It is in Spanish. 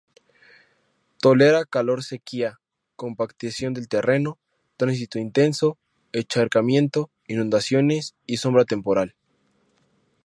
Tolera calor, sequía, compactación del terreno, tránsito intenso, encharcamiento, inundaciones y sombra temporal.